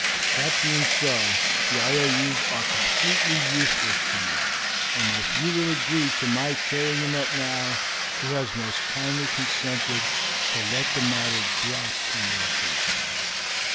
That being so, the IOUs are absolutely useless to you, and if you will agree to my tearing them up now, he has most kindly consented to let the matter drop in your cases."